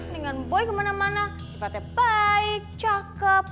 dengan boy kemana mana sifatnya baik cakep